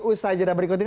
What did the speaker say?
usaha jeda berikutnya